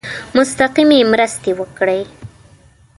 مستقیمي مرستي وکړي.